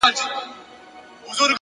صبر د نامعلومو لارو ملګری دی.